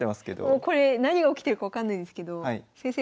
もうこれ何が起きてるか分かんないですけど先生